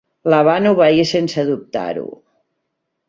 La van obeir sense dubtar-ho.